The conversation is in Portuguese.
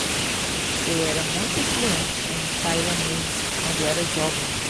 Eu era muito fluente em taiwanês quando era jovem.